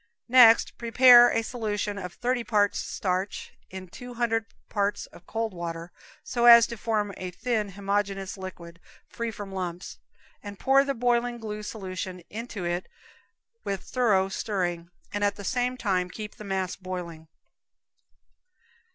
Next prepare a solution of thirty parts of starch in two hundred parts of cold water, so as to form a thin homogeneous liquid, free from lumps, and pour the boiling glue solution into it with thorough stirring, and at the same time keep the mass boiling.